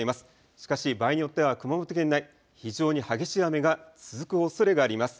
しかし場合によっては熊本県内、非常に激しい雨が続くおそれがあります。